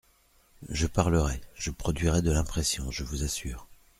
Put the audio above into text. Je parlerai, je produirai de l’impression, je vous assure…